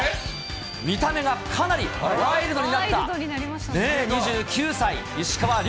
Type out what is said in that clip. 見た目がかなりワイルドになった、２９歳、石川遼。